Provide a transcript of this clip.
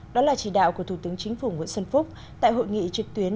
đó là chỉ đạo của thủ tướng chính phủ nguyễn xuân phúc tại hội nghị trực tuyến